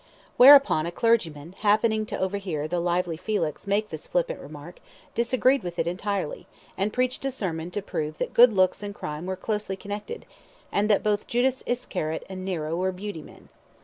Whereupon a clergyman, happening to overhear the lively Felix make this flippant remark, disagreed with it entirely, and preached a sermon to prove that good looks and crime were closely connected, and that both Judas Iscariot and Nero were beauty men.